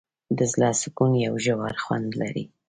د زړه سکون یو ژور خوند لري.